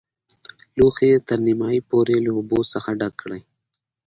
لوښی تر نیمايي پورې له اوبو څخه ډک کړئ.